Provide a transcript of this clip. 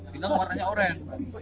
kita menggunakan warna oranye